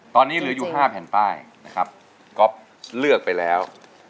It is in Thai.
ตอนนี้เหลืออยู่๕แผ่นป้ายนะครับก๊อฟเลือกไปแล้ว